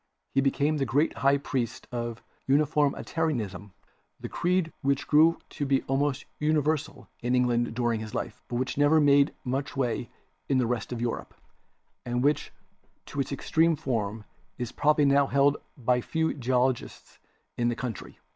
He became the great high priest of Uniformi tarianism — a creed which grew to be almost universal in England during his life, but which never made much way in the rest of Europe, and which in its extreme form is probably now held by few geologists in any country.'